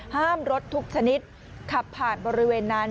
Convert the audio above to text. รถทุกชนิดขับผ่านบริเวณนั้น